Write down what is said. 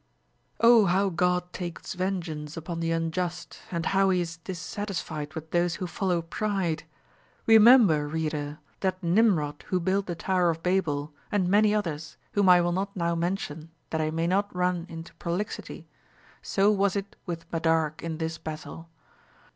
how God takes vengeance upon the unjust ! and how is he dis satisfied with those who follow pride 1 remember reader that Nimrod who built the Tower of Babel, and many others, whom I will not now mention that I may not run into prolixity, so was it with Madarque in this battle.